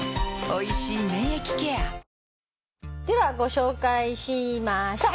ではご紹介しましょう。